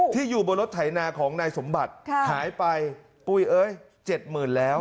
อยู่บนรถไถนาของนายสมบัติหายไปปุ้ยเอ้ย๗๐๐๐แล้ว